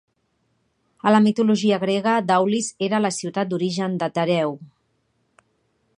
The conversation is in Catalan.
A la mitologia grega, Daulis era la ciutat d'origen de Tereu.